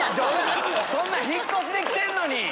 引っ越しで来てんのに！